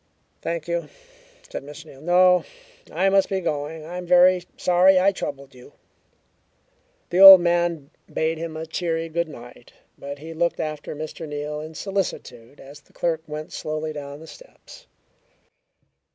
"Thank you," said Mr. Neal. "No. I must be going. I am very sorry I troubled you." The old man bade him a cheery good night, but he looked after Mr. Neal in solicitude as the clerk went slowly down the steps.